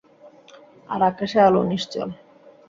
আর আকাশে আলো নিশ্চল।